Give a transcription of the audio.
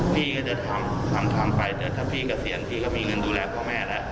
พี่ก็จะทำทำไปแต่ถ้าพี่เกษียณพี่ก็มีเงินดูแลพ่อแม่แล้ว